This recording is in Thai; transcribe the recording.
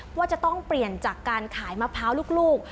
ว่าจะต้องเปลี่ยนจากการขายมะพร้าวลูก